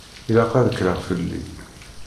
Ilaq ad kkreɣ fell-i.